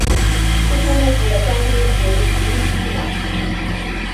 室町幕府的将军为足利义满。